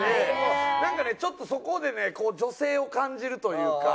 なんかねちょっとそこでね女性を感じるというか。